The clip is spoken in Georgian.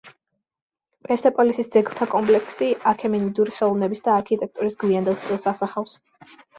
პერსეპოლისის ძეგლთა კომპლექსი აქემენიდური ხელოვნების და არქიტექტურის გვიანდელ სტილს ასახავს.